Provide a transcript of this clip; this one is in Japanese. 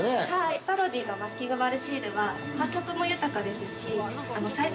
◆ストロジーのマスキング丸シールは発色も豊かですしサイズ